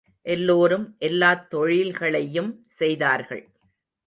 எல்லோரும், எல்லாத் தொழில்களையும் செய்தார்கள்.